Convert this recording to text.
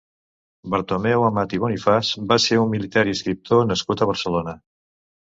Bartomeu Amat i Bonifàs va ser un militar i escriptor nascut a Barcelona.